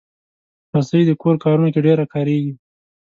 رسۍ د کور کارونو کې ډېره کارېږي.